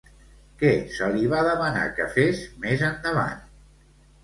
Què se li va demanar que fes, més endavant?